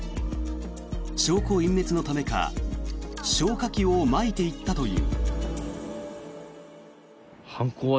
証拠隠滅のためか消火器をまいていったという。